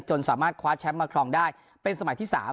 สามารถคว้าแชมป์มาครองได้เป็นสมัยที่๓